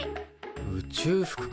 宇宙服か。